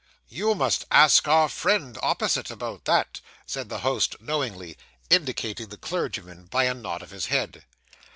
'You must ask our friend opposite about that,' said the host knowingly, indicating the clergyman by a nod of his head.